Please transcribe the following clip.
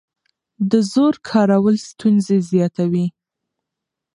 د زور کارول ستونزې زیاتوي